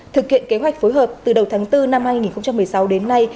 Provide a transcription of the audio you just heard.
thực hiện kế hoạch phối hợp từ đầu tháng bốn năm hai nghìn một mươi sáu đến nay